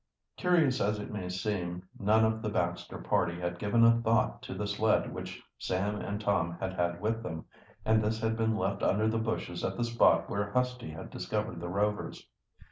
Curious as it may seem, none of the Baxter party had given a thought to the sled which Sam and Tom had had with them, and this had been left under the bushes at the spot where Husty had discovered the Rovers.